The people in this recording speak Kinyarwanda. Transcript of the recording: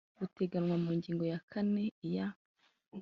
buteganywa mu ngingo ya kane iya